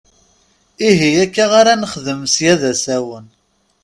Ihi akka ar ad nexdem sya d asawen!